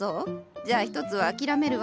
じゃあ１つは諦めるわ。